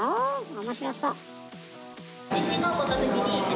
面白そう。